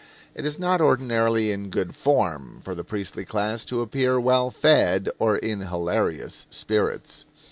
It is not ordinarily in good form for the priestly class to appear well fed or in hilarious spirits.